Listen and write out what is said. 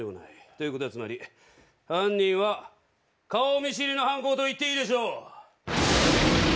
ということはつまり犯人は顔見知りの犯行と言っていいでしょう。